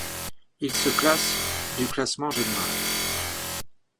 Il se classe du classement général.